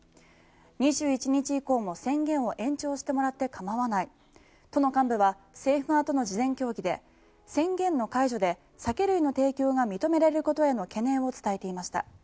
２１日以降も宣言を延長してもらって構わない都の幹部は政府側との事前協議で宣言の解除で酒類の提供が認められることへの懸念を伝えていました。